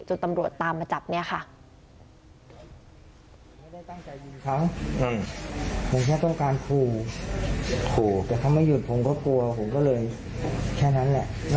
ตำรวจตามมาจับเนี่ยค่ะ